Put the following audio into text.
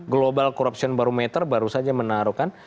global corruption barometer baru saja menaruhkan